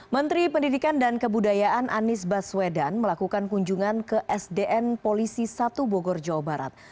menteri pendidikan dan kebudayaan anies baswedan melakukan kunjungan ke sdn polisi satu bogor jawa barat